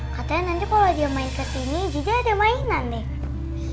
katanya nanti kalau dia main kesini juga ada mainan nih